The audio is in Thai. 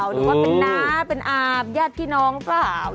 หรือว่าเป็นน้าเป็นอาบญาติพี่น้องหรือเปล่า